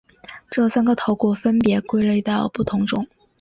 这三个头骨分别归类到不同种。